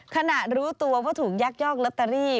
ขณะรู้ตัวเพราะถูกยักยอกล็อตเตอรี่